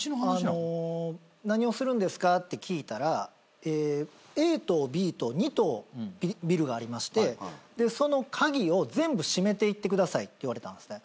何をするんですか？って聞いたらＡ棟Ｂ棟２棟ビルがありましてその鍵を全部閉めていってくださいって言われたんですね。